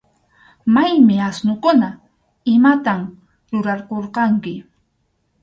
¿Maymi asnukuna? ¿Imatam rurarqurqanki?